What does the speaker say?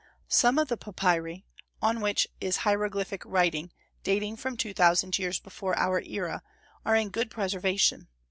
Some of the papyri, on which is hieroglyphic writing dating from two thousand years before our era, are in good preservation.